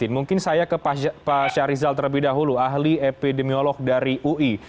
mungkin saya ke pak syahrizal terlebih dahulu ahli epidemiolog dari ui